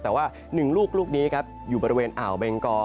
แต่ว่า๑ลูกลูกนี้ครับอยู่บริเวณอ่าวเบงกอ